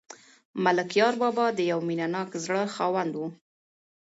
ملکیار بابا د یو مینه ناک زړه خاوند و.